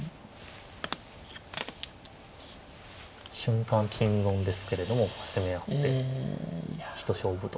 瞬間金損ですけれども攻め合って一勝負と。